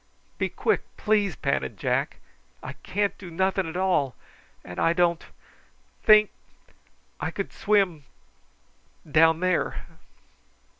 "Be quick, please," panted Jack. "I can't do nothing at all; and I don't think I could swim down there."